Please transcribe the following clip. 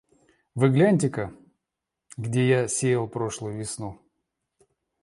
Вы гляньте-ка, где я сеял прошлую весну.